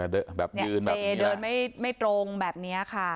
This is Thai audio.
เดินไม่ตรงแบบนี้ค่ะ